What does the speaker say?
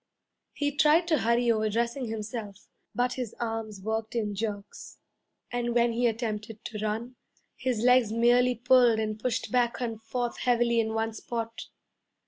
He tried to hurry over dressing himself; but his arms worked in jerks, and when he attempted to run, his legs merely pulled and pushed back and forth heavily in one spot.